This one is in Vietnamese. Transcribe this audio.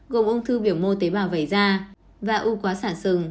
gồm ung thư biểu mô tế bào vẩy da và u quá xả sừng